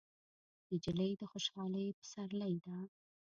نجلۍ د خوشحالۍ پسرلی ده.